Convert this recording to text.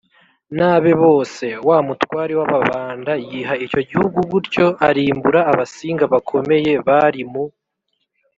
n’abe bose. wa mutware w’ababanda yiha icyo gihugu gutyo: arimbura abasinga bakomeye bari mu